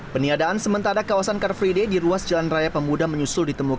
peniadaan sementara kawasan car free day di ruas jalan raya pemuda menyusul ditemukan